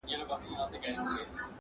کرونا نه ده توره بلا ده!.